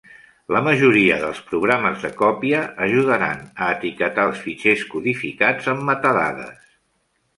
La majoria dels programes de còpia ajudaran a etiquetar els fitxers codificats amb metadades.